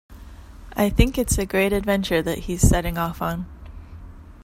I think it's a great adventure that he's setting off on.